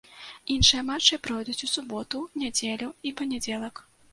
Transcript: Іншыя матчы пройдуць у суботу, нядзелю і панядзелак.